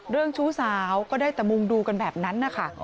เรื่องชู้สาวก็ได้ตะมุงดูกันแบบนั้นค่ะ